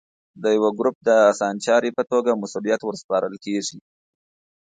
د یوه ګروپ د اسانچاري په توګه مسوولیت ور سپارل کېږي.